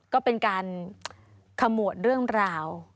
ก็เป็นการขมวดเรื่องราว